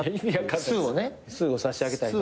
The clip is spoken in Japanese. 「スー」を差し上げたいな。